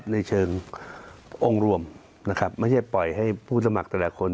ในเชิงองค์รวมนะครับไม่ใช่ปล่อยให้ผู้สมัครแต่ละคน